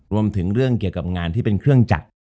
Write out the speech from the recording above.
รวมถึงเรื่องเกี่ยวกับงานที่เป็นเครื่องจักร